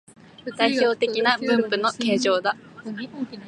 代表的な分布の形状だ